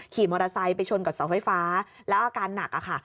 ขี่มอเตอร์ไซค์ไปชนกับเสาไฟฟ้าแล้วอาการหนักอะค่ะ